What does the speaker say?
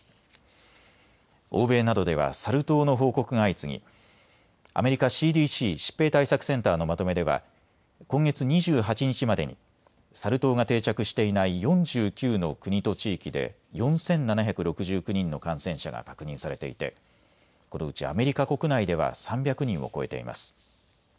欧米などではサル痘の報告が相次ぎアメリカＣＤＣ・疾病対策センターのまとめでは今月２８日までにサル痘が定着していない４９の国と地域で４７６９人の感染者が確認されていてこのうちアメリカ国内では３００人を超えています。